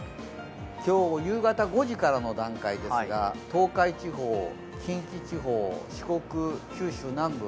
今日夕方５時からの段階ですが東海地方、近畿地方四国、九州南部